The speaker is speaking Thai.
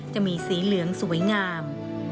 จะมีสีเหลืองสวยงาม